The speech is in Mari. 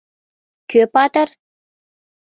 КӦ ПАТЫР?